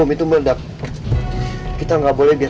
itu gak masalah masalah